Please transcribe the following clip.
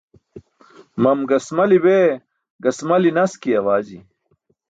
Mam gasmali bee gasmali naski awaji.